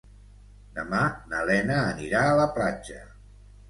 Demà na Lena anirà a la platja.